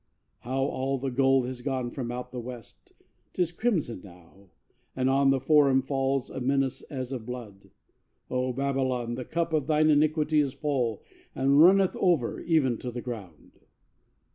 How all the gold has gone from out the west: 'Tis crimson now, and on the Forum falls A menace as of blood! O Babylon, The cup of thine iniquity is full, And runneth over even to the ground!